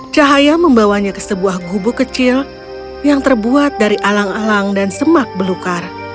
cahaya membawanya ke sebuah gubuk kecil yang terbuat dari alang alang dan semak belukar